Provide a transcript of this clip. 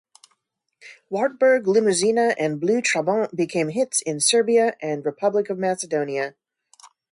"Wartburg limuzina" and "Blu Trabant" became hits in Serbia and Republic of Macedonia.